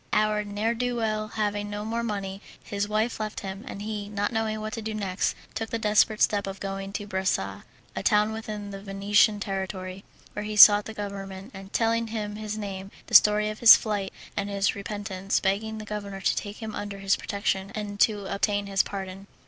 Our ne'er do well having no more money, his wife left him, and he, not knowing what to do next, took the desperate step of going to Bressa, a town within the Venetian territory, where he sought the governor, telling him his name, the story of his flight, and his repentance, begging the governor to take him under his protection and to obtain his pardon.